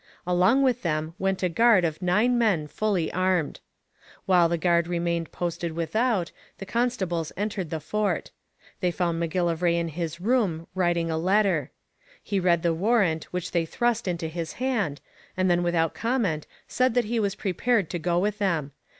Along with them went a guard of nine men fully armed. While the guard remained posted without, the constables entered the fort. They found M'Gillivray in his room writing a letter. He read the warrant which they thrust into his hand, and then without comment said that he was prepared to go with them.